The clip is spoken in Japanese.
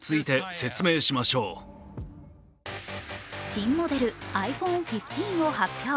新モデルｉＰｈｏｎｅ１５を発表。